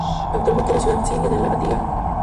Actualmente es la ciudad siria de Latakia.